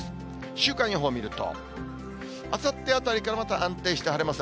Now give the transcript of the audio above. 週間予報見ると、あさってあたりからまた安定して晴れます。